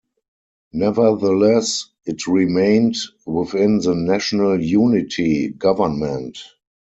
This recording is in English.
Nevertheless, it remained within the national unity government.